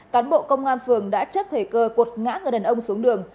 cán bộ công an phường đã chấp thể cơ cuột ngã người đàn ông xuống đường